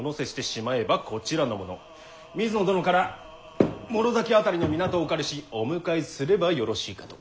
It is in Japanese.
水野殿から師崎辺りの港をお借りしお迎えすればよろしいかと。